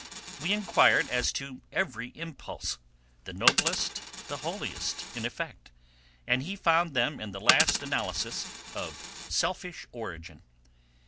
We inquired as to every impulse, the noblest, the holiest in effect, and he found them in the last analysis of selfish origin.